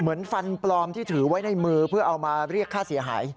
เหมือนฟันปลอมที่ถือไว้ในมือเพื่อเอามาเรียกค่าเสียหาย